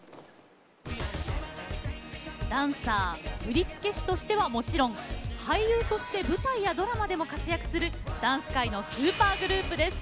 ダンサー振付師としてはもちろん俳優として舞台やドラマでも活躍するダンス界のスーパーグループです。